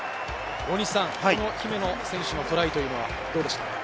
姫野選手のトライというのはどうでしたか？